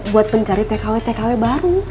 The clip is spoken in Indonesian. buat pencari tkw tkw baru